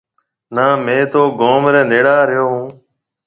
نا مهيَ تو گوم ريَ نيڙا رهيو هون۔